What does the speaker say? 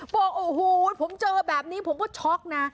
ผมเจอแบบนี้ผมก็ช็อกนะ